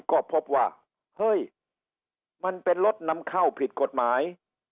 ก็พบว่าเฮ้ยมันเป็นรถนำเข้าผิดกฎหมาย